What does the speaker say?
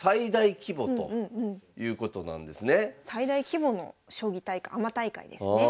最大規模の将棋大会アマ大会ですね。